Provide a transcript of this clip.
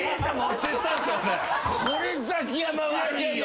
これザキヤマ悪いよ。